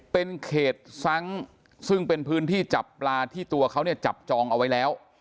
เป็นเขตซั้งซึ่งเป็นพื้นที่จับปลาที่ตัวเขาเนี่ยจับจองเอาไว้แล้ว